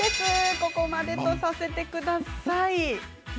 ここまでとさせてください。